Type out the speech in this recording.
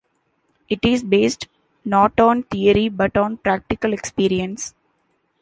It is based not on theory but on practical experience.